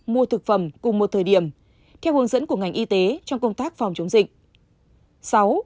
mua thực phẩm cùng một thời điểm theo hướng dẫn của ngành y tế trong công tác phòng chống dịch